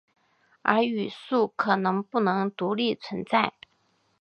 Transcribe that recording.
而语素可能不能独立存在。